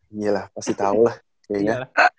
iya lah pasti tau lah kayaknya